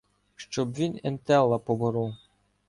Щоб він Ентелла поборов.